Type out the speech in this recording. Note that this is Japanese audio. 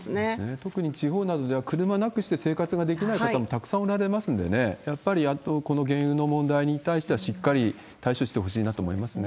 特に地方などでは、車なくして生活ができない方もたくさんおられますので、やっぱりこの原油の問題に対しては、しっかり対処してほしいなと思いますね。